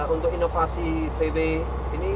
untuk inovasi vw ini